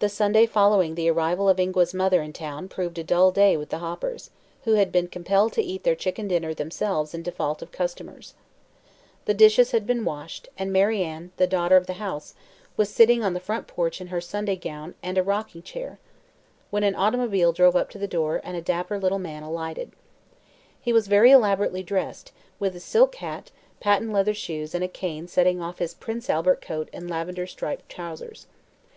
The Sunday following the arrival of Ingua's mother in town proved a dull day with the Hoppers, who had been compelled to eat their chicken dinner themselves in default of customers. The dishes had been washed and Mary Ann, the daughter of the house, was sitting on the front porch in her Sunday gown and a rocking chair, when an automobile drove up to the door and a dapper little man alighted. He was very elaborately dressed, with silk hat, patent leather shoes and a cane setting off his Prince Albert coat and lavender striped trousers.